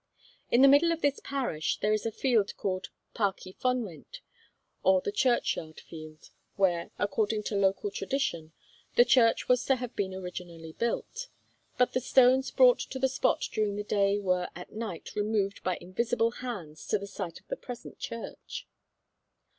In the middle of this parish there is a field called Parc y Fonwent, or the churchyard field, where, according to local tradition, the church was to have been originally built; but the stones brought to the spot during the day were at night removed by invisible hands to the site of the present church.